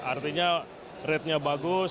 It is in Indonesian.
artinya ratenya bagus